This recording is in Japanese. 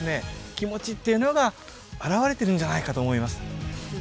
気持ちっていうのが表れてるんじゃないかと思います